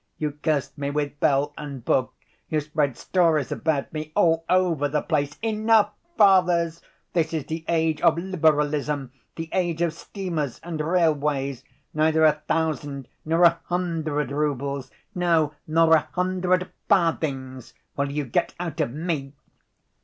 You cursed me with bell and book, you spread stories about me all over the place. Enough, fathers! This is the age of Liberalism, the age of steamers and railways. Neither a thousand, nor a hundred roubles, no, nor a hundred farthings will you get out of me!"